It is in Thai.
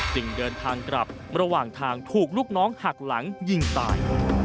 จึงเดินทางกลับระหว่างทางถูกลูกน้องหักหลังยิงตาย